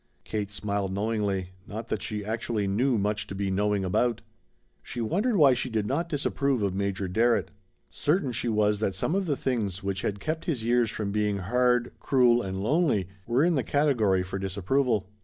Kate smiled knowingly; not that she actually knew much to be knowing about. She wondered why she did not disapprove of Major Darrett. Certain she was that some of the things which had kept his years from being hard, cruel, and lonely were in the category for disapproval.